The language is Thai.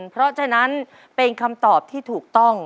เพราะฉะนั้นเป็นคำตอบที่ถูกต้อง